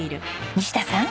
西田さん。